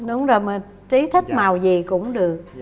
đúng rồi mà trí thích màu gì cũng được